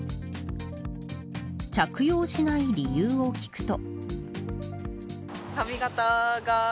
着用しない理由を聞くと。